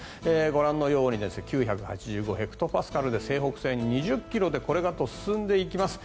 ご覧のように９８５ヘクトパスカルで西北西に２０ｋｍで進んでいきます。